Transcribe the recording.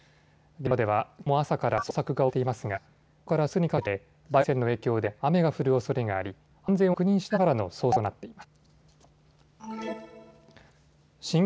現場ではきょうも朝から捜索が行われていますがきょうからあすにかけて梅雨前線の影響で雨が降るおそれがあり安全を確認しながらの捜索となっています。